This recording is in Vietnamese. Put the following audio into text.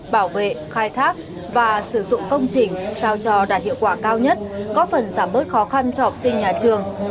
bảo vệ khai thác và sử dụng công trình sao cho đạt hiệu quả cao nhất có phần giảm bớt khó khăn cho học sinh nhà trường